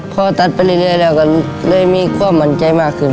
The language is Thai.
พอตัดไปเรื่อยแล้วก็เลยมีความมั่นใจมากขึ้น